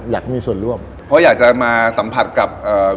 ด้วยครับ